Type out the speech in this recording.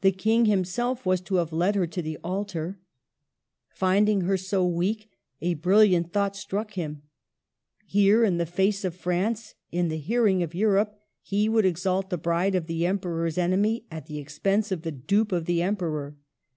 The King himself was to have led her to the altar. Finding her so weak, a brilliant thought struck him. Here, in the face of France, in the hearing of Europe, he would exalt the bride of the Emperor's enemy at the expense of the dupe of the Emperor.